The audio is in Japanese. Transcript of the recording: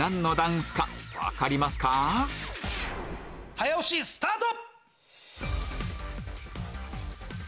早押しスタート！